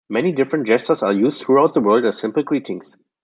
Many different gestures are used throughout the world as simple greetings.